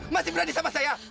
masih berani sama saya